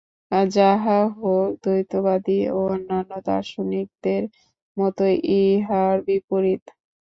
যাহা হউক, দ্বৈতবাদী ও অন্যান্য দার্শনিকদের মত ইহার বিপরীত।